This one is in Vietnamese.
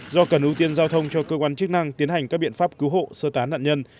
do cần ưu tiên giao thông cho cơ quan chức năng tiến hành các biện pháp cứu hộ sơ tán nạn nhân